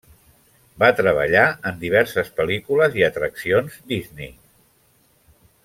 Va treballar en diverses pel·lícules i atraccions Disney.